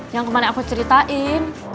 yang kemana aku ceritain